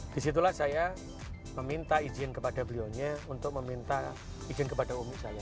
disitulah saya meminta izin kepada beliaunya untuk meminta izin kepada umi saya